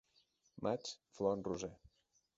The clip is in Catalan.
Maig, flor en roser.